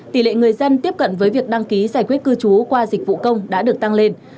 tỷ lệ người dân tiếp cận với việc đăng ký giải quyết cư trú qua dịch vụ công đã được tăng lên